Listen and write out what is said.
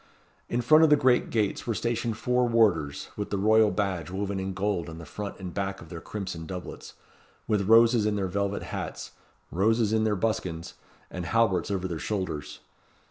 In front of the great gates were stationed four warders with the royal badge woven in gold on the front and back of their crimson doublets, with roses in their velvet hats, roses in their buskins, and halberts over their shoulders.